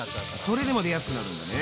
それでも出やすくなるんだね。